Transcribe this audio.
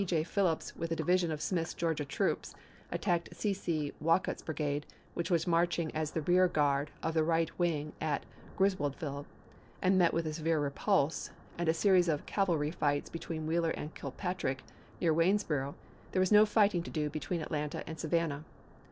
J. Phillips with a divi sion of Smith's Georgia troops attacked C. C. Wal cutt's Brigade, which was marching as the rear gnard of the right wing at Griswoldville, and met with a severe repulse, and a series of cavalry fights be tween Wheeler and Kilpatrick near Waynesboro', there was no fighting to do between Atlanta and Savannah.